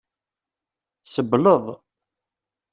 Sebleḍ.